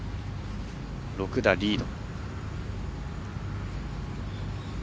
６打リード。